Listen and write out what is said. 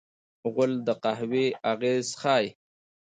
غول د قهوې اغېز ښيي.